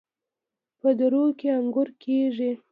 په درو کې انګور کیږي.